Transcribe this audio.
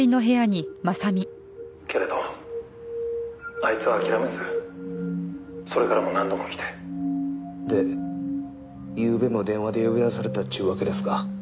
「けれどあいつは諦めずそれからも何度も来て」でゆうべも電話で呼び出されたっちゅうわけですか？